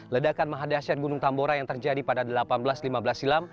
ledakan menghadasyar gunung tambora yang terjadi pada seribu delapan ratus lima belas silam